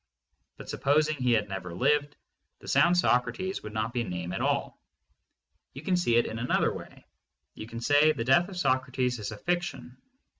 But supposing he had never lived, the sound "Socrates" would not be a name at all. You can see it in another way. You can say "The death of Socrates is a fic tion."